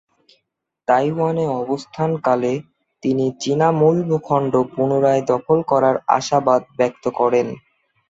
তাইওয়ানে অবস্থানকালে তিনি চীনা মূল ভূখণ্ড পুনরায় দখল করার আশাবাদ ব্যক্ত করেন।